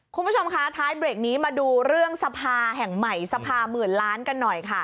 คุณผู้ชมคะท้ายเบรกนี้มาดูเรื่องสภาแห่งใหม่สภาหมื่นล้านกันหน่อยค่ะ